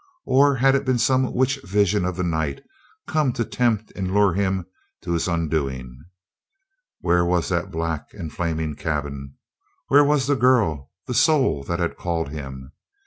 Or had it been some witch vision of the night, come to tempt and lure him to his undoing? Where was that black and flaming cabin? Where was the girl the soul that had called him?